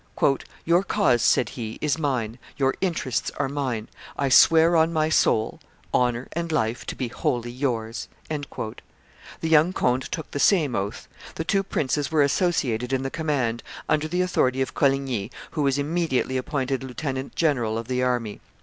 "Your cause," said he, "is mine; your interests are mine; I swear on my soul, honor, and life, to be wholly yours." The young Conde took the same oath. The two princes were associated in the command, under the authority of Coligny, who was immediately appointed lieutenant general of the army.